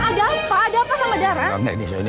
ada apa ada apa sama darah